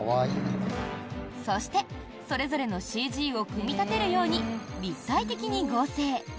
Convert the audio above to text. そして、それぞれのＣＧを組み立てるように立体的に合成。